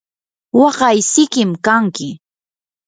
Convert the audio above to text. waqay sikim kanki.